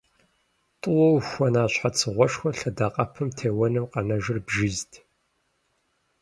ТӀууэ ухуэна щхьэцыгъуэшхуэр лъэдакъэпэм теуэным къэнэжыр бжьизт.